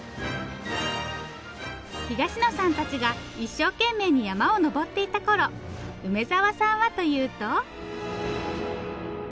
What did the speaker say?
東野さんたちが一生懸命に山を登っていたころ梅沢さんはというと。